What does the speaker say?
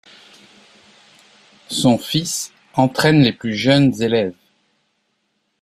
Son fils entraîne les plus jeunes élèves.